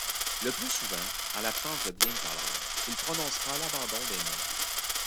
Le plus souvent, en l'absence de biens de valeur, il prononcera l'abandon des meubles.